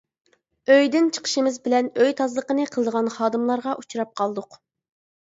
ئۆيدىن چىقىشىمىز بىلەن ئۆي تازىلىقىنى قىلىدىغان خادىملارغا ئۇچراپ قالدۇق.